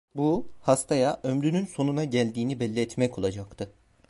Bu, hastaya ömrünün sonuna geldiğini belli etmek olacaktı.